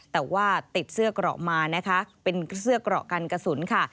แต่ว่าติดเสื้อเกราะมานะคะเป็นเสื้อเกราะกันกระสุนค่ะ